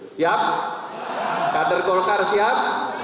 siap kader golkar siap